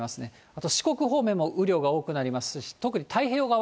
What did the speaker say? あと四国方面も雨量が多くなりますし、特に太平洋側、